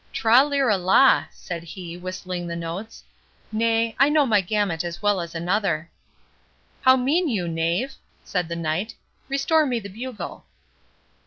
"Tra lira la," said he, whistling the notes; "nay, I know my gamut as well as another." "How mean you, knave?" said the Knight; "restore me the bugle."